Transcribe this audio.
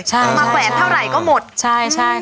มาแขนเท่าไรก็หมดอืมใช่ใช่